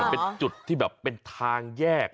เป็นจุดที่แบบเป็นทางแยก